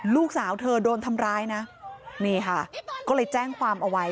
ลูกสาวเธอโดนทำร้ายนะนี่ค่ะก็เลยแจ้งความเอาไว้